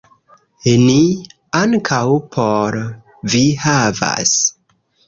Ni ankaŭ por vi havas